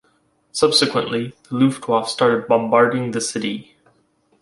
Subsequently, the Luftwaffe started bombarding the city.